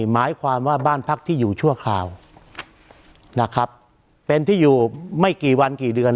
หมายความว่าบ้านพักที่อยู่ชั่วคราวนะครับเป็นที่อยู่ไม่กี่วันกี่เดือน